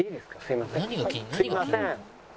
すみません。